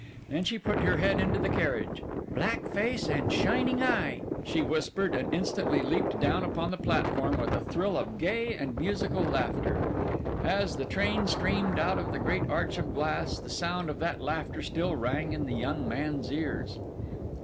Then she put her head into the carriage. 'Black face and shining eye!' she whispered, and instantly leaped down upon the platform, with a thrill of gay and musical laughter. As the train steamed out of the great arch of glass, the sound of that laughter still rang in the young man's ears.